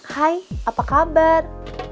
hai apa kabar